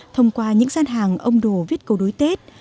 thông qua những gian hàng ông đồ viết cầu đối tết